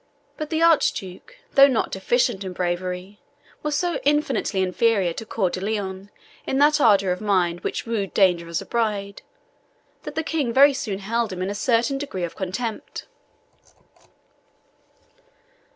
But the Archduke, though not deficient in bravery, was so infinitely inferior to Coeur de Lion in that ardour of mind which wooed danger as a bride, that the King very soon held him in a certain degree of contempt.